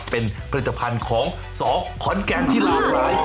เป็นผลิตภัณฑ์ของสอขอนแกนที่หลากหลาย